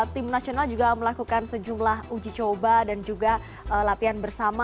tim nasional juga melakukan sejumlah uji coba dan juga latihan bersama